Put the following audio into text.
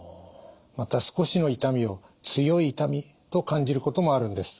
また少しの痛みを強い痛みと感じることもあるんです。